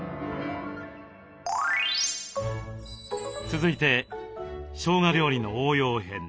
続いてしょうが料理の応用編。